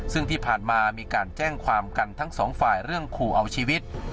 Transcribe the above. ซึ่งที่ผ่านมามีการแจ้งความกันทั้งสองฝ่ายเรื่องขู่เอาชีวิต